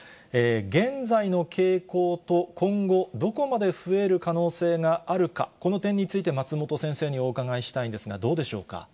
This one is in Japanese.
現在の傾向と、今後、どこまで増える可能性があるか、この点について、松本先生にお伺いしたいんですが、どうでしょうか。